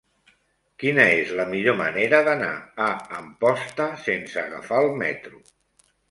Quina és la millor manera d'anar a Amposta sense agafar el metro?